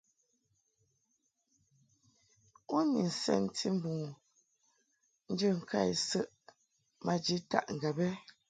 U ni nsɛnti mbum u njə ŋka isəʼɨ maji taʼ ŋgab?